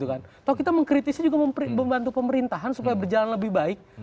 atau kita mengkritisi juga membantu pemerintahan supaya berjalan lebih baik